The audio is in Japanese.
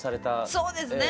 そうですね。